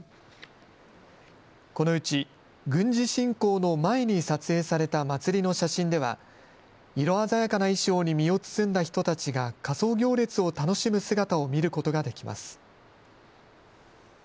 このうち軍事侵攻の前に撮影された祭りの写真では色鮮やかな衣装に身を包んだ人たちが仮装行列を楽しむ姿を見ることができます。